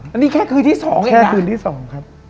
อันนี้แค่คืนที่๒เองนะ